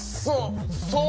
そう！